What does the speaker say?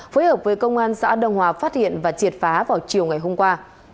phối hợp với công an xã đông hòa phát hiện và triệt phá vào chiều ngày hôm qua